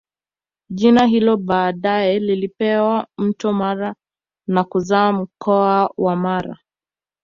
Jina hilo baadae lilipewa Mto Mara na kuzaa mkoa wa Mara